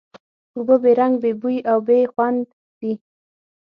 اوبه بې رنګ، بې بوی او بې خوند دي.